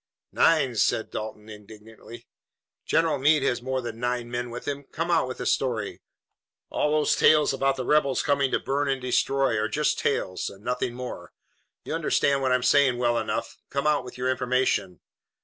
"Nine!" said Dalton indignantly. "General Meade has more than nine men with him! Come, out with the story! All those tales about the rebels coming to burn and destroy are just tales, and nothing more. You understand what I'm saying well enough. Come, out with your information!"